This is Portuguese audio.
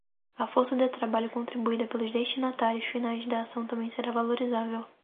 A força de trabalho contribuída pelos destinatários finais da ação também será valorizável.